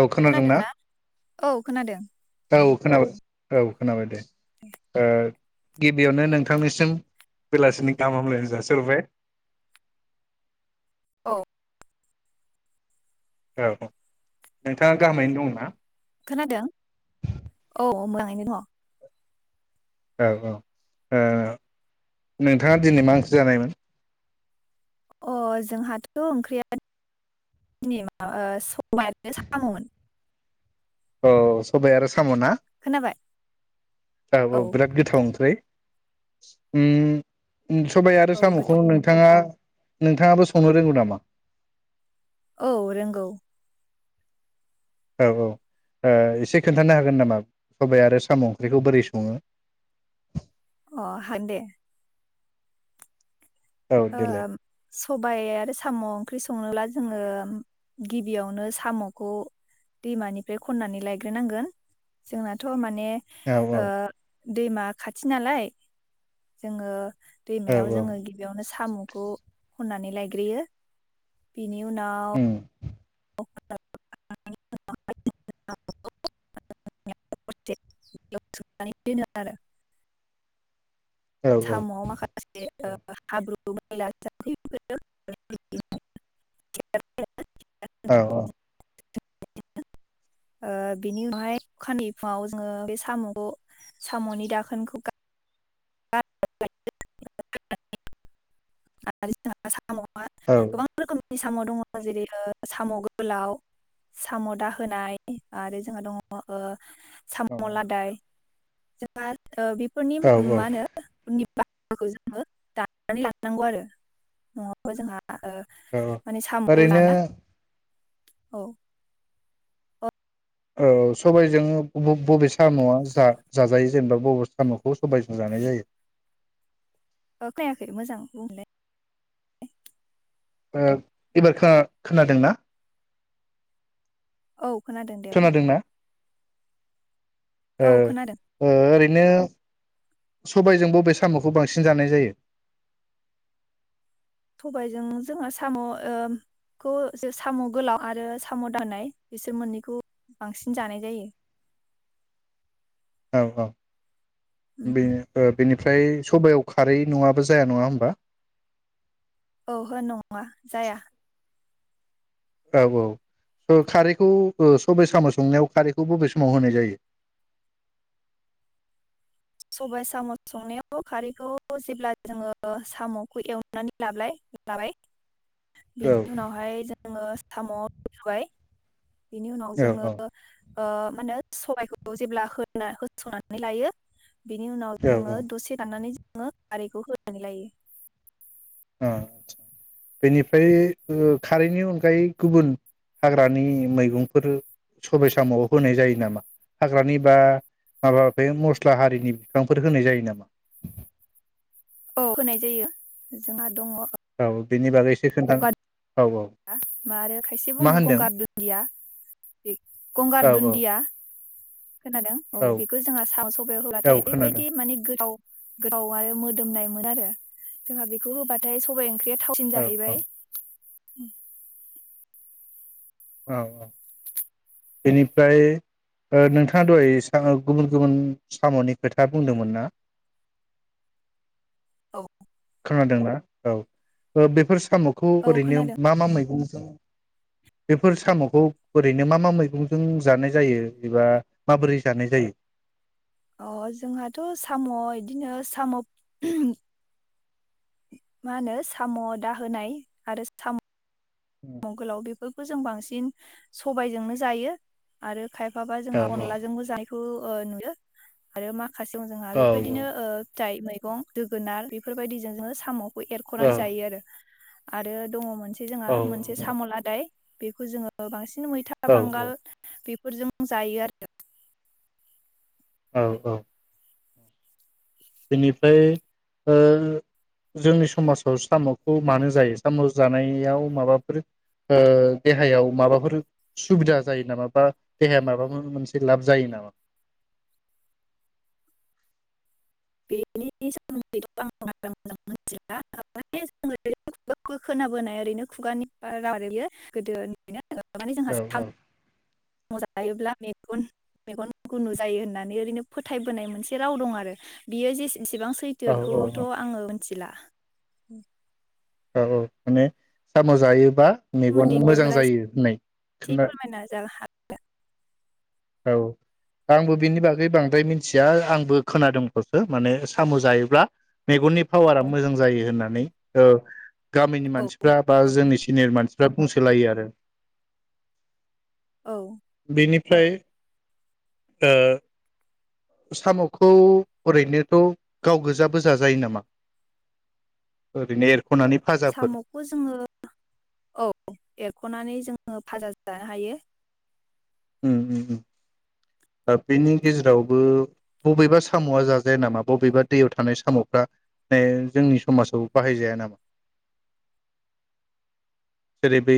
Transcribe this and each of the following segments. औ खोनादोंना औ खोनादों औ खोनाबाय औ खोनाबाय दे ओ गिबियावनो नोंथांनिसिम बेलासिनि गाहाम हामलायनाय जासिहरबाय। औ औ नोंथाङा गाहामैनो दंना। खोनादों औ मोजाङैनो दङ। औ औ ओ नोंथाङा दिनै मा ओंख्रि जानायमोन अ जोंहाथ' ओंख्रिया दिनै स सबाय आरो साममोन अ सबाय आरो साम ना खोनाबाय औ औ बिराद गोथाव ओंख्रि उम उम सबाय आरो औ साम'खौ गोथाव नोंथाङा नोंथाङाबो संनो रोंगौ नामा? औ रोंगौ औ औ ओ एसे खोन्थानो हागोन नामा सबाइ आरो साम' ओंख्रिखौ बोरै संङो अ हागोन दे औ ओ देलाय सबाय आरो साम' ओंख्रि स सङोब्ला जोङो गिबियावनो सामखौ दैमानिफ्राय खननानै लायग्रोनांगोन जोंनाथ माने माने औ औ ओ दैमा खाथि नालाय जोङो औ दैमायाव औ जोङो गि माने सामुखौ खौ खननानै लायग्रोयो बिनि उनाव उम [unintelligible] दोनो आरो औ औ साम'आव माखासे ओ हाब्रु [unintelligible] औ औ [unintelligible] ओ बिनि उनावहाय अखानायै फुङाव जोङो बे साम'खौ साम'नि दाखोनखौ [unintelligible] आरो साम'आ औ गोबां रोखोमनि नि साम' दङ जेरै ओ साम' गोलाव साम' दाहोनाय आरो जोंहा दङ ओ साम' औ लादाय जोंहा ओ बे फोरनि औ औ मा होनो [unintelligible] दाननानै ला नांगौ आरो नङाबा जोंहा ओ माने साम'खौ ओरैनो जाना औ औ औ सबायजों बबे साम'आ जा-जाजायो जेनेबा बबे साम'खौ? सबाय जों जाना जायो? खोनायाखै मोजां बुंफिनलाय। ओ एबार खो-खोनादोंना? औ खोनादों दे बुं। औ ओ खोनादों ओ ओरैनो सबायजों बबे साम'खौ बांसिन जानाय जायो? सबायजों जोंहा साम'खौ साम' गोलाव आरो साम' दानाय बिसोर मोननैखौ बांसिन जानाय जायो। औ औ उम बे ओ बेनिफ्राय सबायाव खारै नङाबा जाया नङा होमबा? ओहो नङा जाया। औ औ औ खारैखौ सबाय साम' संनायाव खारैखौ बबे समाव होनाय जायो? सबाइ साम' संनायाव खारैखौ जेब्ला जोङो साम'खौ एवनानै लाब्लाय लाबाय औ बेनि उनावहाय जोङो [unintelligible] बिनि उनाव औ जोङो औ ओ मानो सबायखौ जेब्ला होना होथ्रनानै लायो बिनि उनाव जोङो औ दसे दाननानै [unintelligible] खारैखौ होनानै लायो। आ बेनिफ्राय ओ खारैनि अनगायै गुबुन हाग्रानि मैगंफोर सबाय साम'आव होनाय जायो नामा? हाग्रानि बा माबा बे मस्ला हारिनि बिफांफोर होनाय जायो नामा? औ होनाय जायो जोंहा दङ'। औ बेनि बागै एसे खोन्था औ औ गंगार [unintelligible] आरो खायसे मा बुङो होनदों गंगार दुन्दिया बे गंगार औ औ दुन्दिया खोनादों औ बेखौ जोंहा सा सबायाव औ होबाथाय खोनादों ओरैबायादि माने गोथाव गोबाव आरो मोदोमनाय मोनो आरो जोंहा बेखौ होबाथाय सबाय ओंख्रिया थावसिन औ जाहैबाय। [inaudible] औ औ बेनिफ्राय नोंथाङा द'हैयो गुबुन गुबुन साम'नि खोथा बुंदोंमोन ना? औ। खोनादों ना? औ बेफोर साम'खौ औ ओरैनो खोनादों मा मा मैगं बेफोर साम'खौ ओरैनो मा मा मैगंजों जानाय जायो एबा माबोरै जानाय जायो? अ जोंहाथ' साम' इदिनो साम' मा होनो साम' दाहोनाय आरो साम' म' गोलाव बेफोर जों बांसिन सबायजोंनो जायो आरो खायफाबा औ जोंहा अनलाजोंबो जानायखौ अ नुदो आरो मा [unintelligible] जोंहा औ बेबायदिनो ओ फिथाइ मै गं दोगोनार बेफोरबायदिजों जोङो साम' औ एरख'नानै जायो आरो आरो दङ' मोन से जोंहा औ मोन से साम'लादाय बेखौ जोङो बांसिन मैथा औ बांगाल बे फोरजों जायो आरो औ औ। बेनिफ्राय ओ जोंनि समाजाव साम'खौ मानो जायो साम' जानायाव माबाफोर ओ देहायाव माबाफोर सुबिदा जायो नामा बा देहाया माबाफोर मोनसे लाब जायो नामा? बेनि सोमोन्दैथ' आं बारा मोजां मोनथिला। [unintelligible] खोनाबोनाय ओरैनो खुगानिफ्राय [unintelligible] गोदोनिनो लानानै जोंहा औ साम' [unintelligible] मोजां लायोब्ला मेगन मेगन गुनु जायो होननानै ओरैनो फोथायबोनाय मोनसे राव दं आरो बेयो जेसे इसिबां सैथो औ बेखौथ' आङो मोन थिला औ औ माने साम' जायोबा सोमोन्दै मेगन मोजां नुयोब्ला जायो होननाय एसे खोना फोरमायना जानो हागोन औ आंबो बिनि बागै बांद्राय मिथिया आंबो खोनादोंल'सो माने साम' जायोब्ला मेगननि पावारा मोजां जायो होननानै औ गामिनि औ मानसिफ्रा बा औ औ जोंनि सिनियर मानसिफ्रा बुंसोलायो आरो औ फ्राय ओ साम'खौ ओरैनोथ' गाव गोजाबो जाजायो नामा ओरैनो एर साम'खौ जोङो औ एरख'नानै जों फाजा जानो हायो। उम उम उम आरो बेनि गेजेरावबो बबेबा साम'आ जाजाया नामा बबेबा दैयाव थानाय साम'फ्रा जोंनि समाजाव बाहायजाया नामा जेरै बै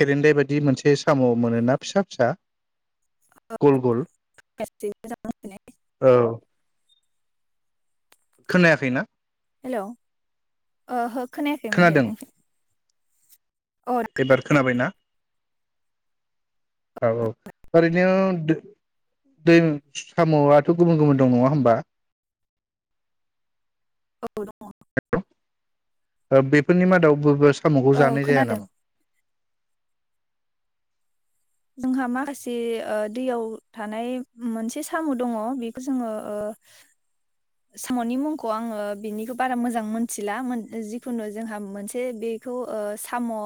खेरेन्दाय बायदि मोनसे साम' मोनोना फिसा फिसा गल गल औ [unintelligible] खोनायाखैना हेल' ओहो खोनायाखैमोन दे खोनादों बुंफिन औ एबार खोनाबायना। औ औ ओरैनो दै साम' आथ गुबुन गुबुन दं नङा होमबा। औ दं। बेफोरनि मादावबाबो। सामखौ औ जानाय जाया खोनादों नामा। जोंहा माखासे ओ दैयाव थानाय मोनसे साम दङ बेखौ जोङो ओ सामनि मुंखौ आंङो बिनिखौ बारा मोजां मोनथिला मोन जिखुनु जोंहा मोनसे बेखौ ओ साम ओ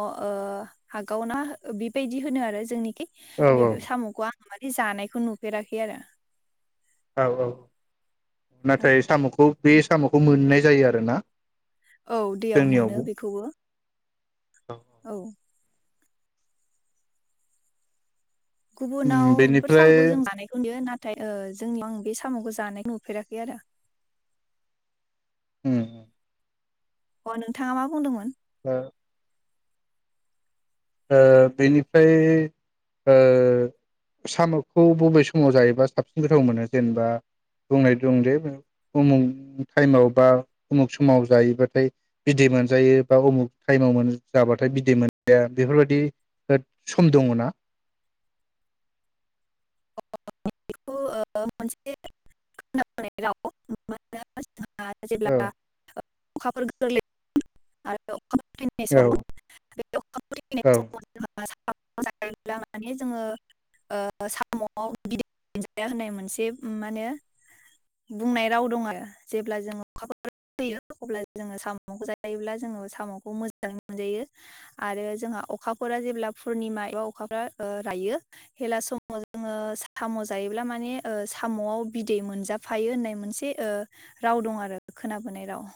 हागावना बेबायदि होनो आरो जोंनि औ औ बे सामखौ आं मानि जानायखौ नुफेराखै आरो। औ औ। औ नाथाय सामखौ बे सामखौ मोननाय जायो आरोना। औ दैयाव मोनो जोंनियावबो बेखौबो। औ। गुबुनावफोर बेनिफ्राय साम'खौ जों जानायखौ नुयो ना थाय जों आं बे सामखौ जानाय नुफेराखै आरो। उम। अ नोंथांङा मा बुंदोंमोन? ओ ओ बेनिफ्राय ओ साम'खौ बबे समाव जायोबा साबसिन गोथाव मोनो जेनेबा बुंनाय दं दजे उमुख टाइमाव बा उमुख समाव जायोबाथाय बिदै मोनजायो बा उमुख टाइमाव जाबाथाय बिदै मोनजाया। बेफोरबायदि सम दङ'ना? [unintelligible] [inaudible] औ अखाफोर गोरलै औ [unintelligible] [inaudible] औ [inaudible] जोंङो ओ सा सामआव गिदिर मोनजाया होननाय मोनसे माने बुंनाय राव दं आरो जेब्ला जों अखाफर गोरलै जायो अब्ला जोङो सामखौ जायोब्ला जोङो सामखौ मोजाङै मोनजायो आरो जोंहा अखाफोरा जेब्ला पुर्निमा एबा अखाफोरा रायो होमब्ला सम जोङो साम' जायोब्ला माने ओ साम'आव बिदै मोनजाफायो होननाय मोनसे ओ राव दं आरो खोनाबोनाय राव।